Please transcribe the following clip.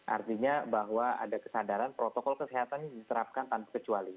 artinya bahwa ada kesadaran protokol kesehatan ini diterapkan tanpa kecuali